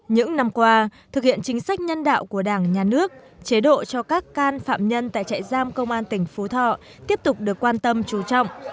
những năm qua thực hiện chính sách nhân đạo của đảng nhà nước chế độ cho các can phạm nhân tại trại giam công an tỉnh phú thọ tiếp tục được quan tâm trú trọng